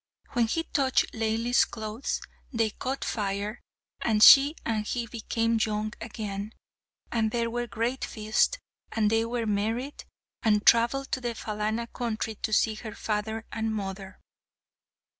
When he touched Laili's clothes they caught fire, and she and he became young again. And there were great feasts, and they were married, and travelled to the Phalana country to see her father and mother.